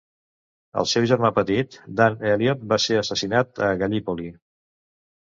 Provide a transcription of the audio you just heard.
El seu germà petit, Dan Elliot, va ser assassinat a Gallipoli.